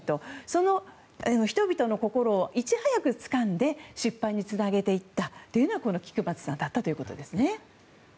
その人々の心をいち早くつかんで出版につなげていったのが菊松さんだったということですね。